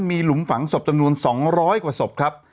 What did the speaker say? มีหลุมฝังศพจำนวน๒๐๐กว่าศพครับ